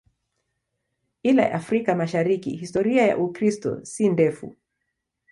Ila Afrika Mashariki historia ya Ukristo si ndefu.